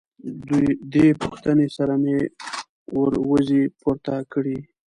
دې پوښتنې سره مې وروځې پورته کړې.